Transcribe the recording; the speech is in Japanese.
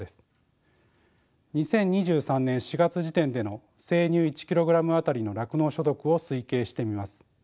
２０２３年４月時点での生乳１ｋｇあたりの酪農所得を推計してみます。